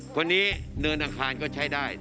คนนี้เนินอังคารก็ใช้ได้